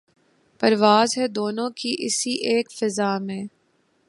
پرواز ہے دونوں کی اسی ایک فضا میں